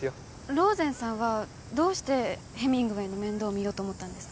ローゼンさんはどうしてヘミングウェイの面倒を見ようと思ったんですか？